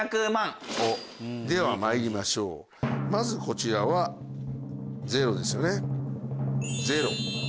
ではまいりましょうまずこちらはゼロですよねゼロ。